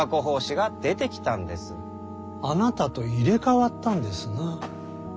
あなたと入れ代わったんですな。